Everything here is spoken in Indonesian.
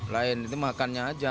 lain itu makannya aja